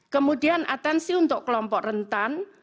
kemudian atensi untuk kelompok rentan